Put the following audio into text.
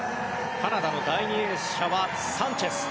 カナダの第２泳者はサンチェス。